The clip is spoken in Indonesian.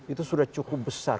itu sudah cukup besar